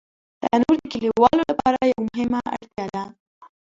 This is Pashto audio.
تنور د کلیوالو لپاره یوه مهمه اړتیا ده